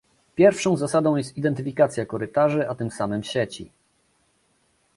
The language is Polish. Pierwszą zasadą jest identyfikacja korytarzy, a tym samym sieci